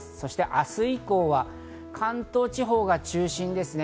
明日以降は関東地方が中心ですね。